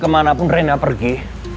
kemana pun rina pergi